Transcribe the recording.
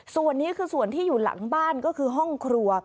ส่วนนี้คือส่วนที่อยู่หลังบ้านก็คือห้องครัว